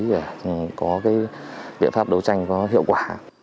để có biện pháp đấu tranh có hiệu quả